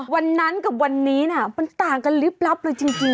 วันนั้นกับวันนี้นะมันต่างกันลิบลับเลยจริง